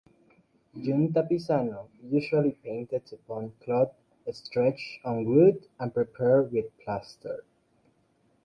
Giunta Pisano usually painted upon cloth stretched on wood, and prepared with plaster.